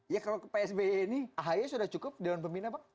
ya kalau pak sb ini ahi sudah cukup dewan pembina pak